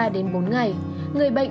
ba đến bốn ngày người bệnh